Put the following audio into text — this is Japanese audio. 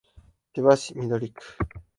千葉市緑区